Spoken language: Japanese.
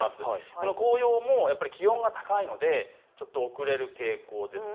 その紅葉も気温が高いのでちょっと遅れる傾向です。